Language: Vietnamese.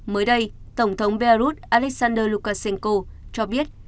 mới đây tổng thống belarus alexander lukashenko cho biết